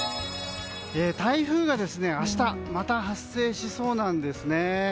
台風が明日また発生しそうなんですね。